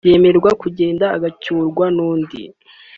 yemererwa kugenda agucyurwa n’undi